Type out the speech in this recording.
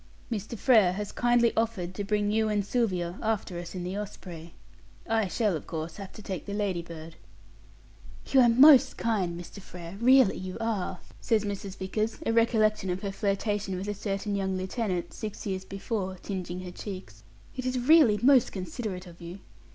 "Mr. Frere has kindly offered to bring you and Sylvia after us in the Osprey. I shall, of course, have to take the Ladybird." "You are most kind, Mr. Frere, really you are," says Mrs. Vickers, a recollection of her flirtation with a certain young lieutenant, six years before, tinging her cheeks. "It is really most considerate of you.